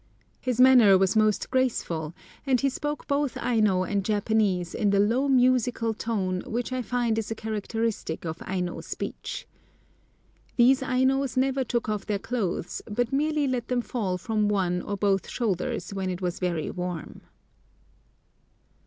His manner was most graceful, and he spoke both Aino and Japanese in the low musical tone which I find is a characteristic of Aino speech. These Ainos never took off their clothes, but merely let them fall from one or both shoulders when it was very warm.